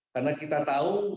karena kita tahu